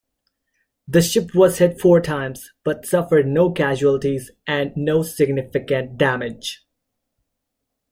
The ship was hit four times, but suffered no casualties and no significant damage.